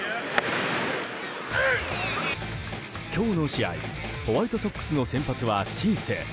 今日の試合、ホワイトソックスの先発はシース。